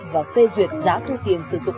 và phê duyệt giá thu tiền sử dụng